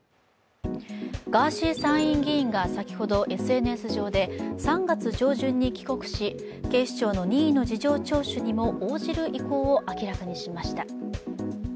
ガーシー参院議員が先ほどＳＮＳ上で３月上旬に帰国し警視庁の任意の事情聴取にも応じる意向を明らかにしました。